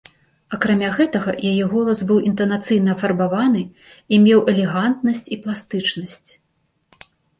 Акрамя гэтага яе голас быў інтанацыйна афарбаваны і меў элегантнасць і пластычнасць.